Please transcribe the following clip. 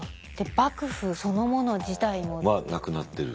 幕府そのもの自体も。はなくなってる。